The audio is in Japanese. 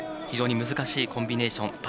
非常に難しいコンビネーション。